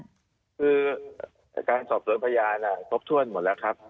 คือการสอบสวนพยานครบถ้วนหมดแล้วครับ